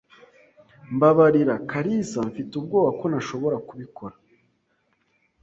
Mbabarira, Kalisa. Mfite ubwoba ko ntashobora kubikora.